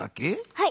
はい。